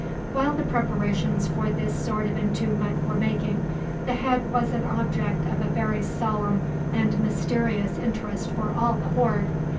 While the preparations for this sort of entombment were making, the head was an object of a very solemn and mysterious interest for all the horde.